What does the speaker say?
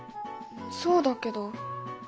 そうだけど。